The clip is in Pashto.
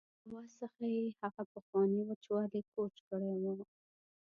له آواز څخه یې هغه پخوانی وچوالی کوچ کړی و.